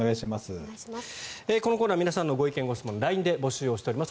このコーナー皆さんのご意見・ご質問をＬＩＮＥで募集しております。